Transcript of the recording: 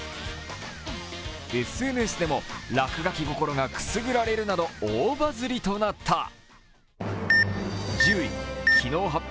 ＳＮＳでも落書き心がくすぐられるなど大バズリとなった。